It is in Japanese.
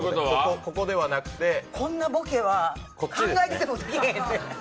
こんなボケは考えててもできへん。